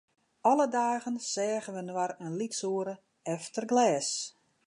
Alle dagen seagen wy inoar in lyts oere, efter glês.